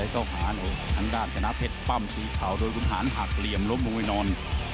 ทางด้านชนะเพชรปั้มสีขาวโดนขุนหานหักเหลี่ยมลบลงไปนอน